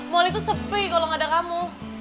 mall itu sepi kalau nggak ada kamu